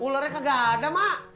ular nya kagak ada mak